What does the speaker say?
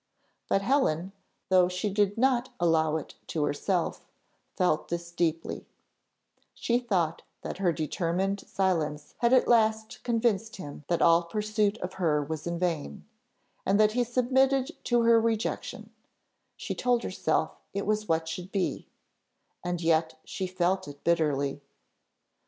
But Helen, though she did not allow it to herself, felt this deeply: she thought that her determined silence had at last convinced him that all pursuit of her was vain; and that he submitted to her rejection: she told herself it was what should be, and yet she felt it bitterly.